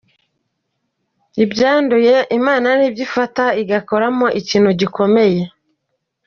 byanduye Imana ni byo ifata igakoramo ikintu gikomeye.